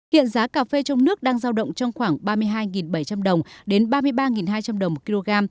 hiện giá cà phê trong nước đang giao động trong khoảng ba mươi hai bảy trăm linh đồng đến ba mươi ba hai trăm linh đồng một kg